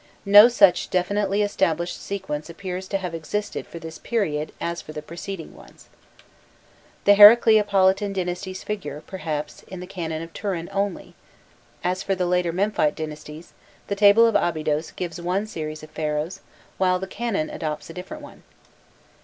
No such definitely established sequence appears to have existed for this period, as for the preceding ones. The Heracleopolitan dynasties figure, perhaps, in the Canon of Turin only; as for the later Memphite dynasties, the table of Abydos gives one series of Pharaohs, while the Canon adopts a different one.